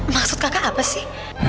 maksud kakak apa sih